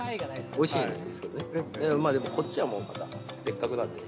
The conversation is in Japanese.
おいしいんですけどね、まあでも、こっちはまた別格なんで。